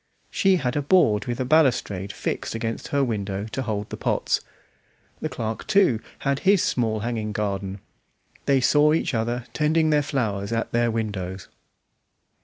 She had a board with a balustrade fixed against her window to hold the pots. The clerk, too, had his small hanging garden; they saw each other tending their flowers at their windows.